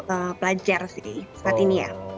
salah satu pelajar sih saat ini ya